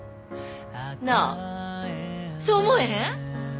なあそう思わへん？